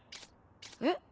えっ？